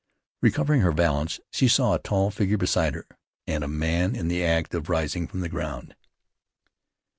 Recovering her balance, she saw a tall figure beside her, and a man in the act of rising from the ground.